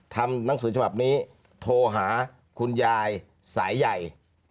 ทำหนังสือฉบับนี้โทรหาคุณยายสายใหญ่